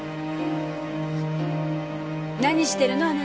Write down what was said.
何してるの？